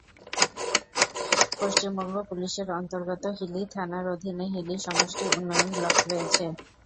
পশ্চিমবঙ্গ পুলিশের অন্তর্গত হিলি থানার অধীনে হিলি সমষ্টি উন্নয়ন ব্লক রয়েছে।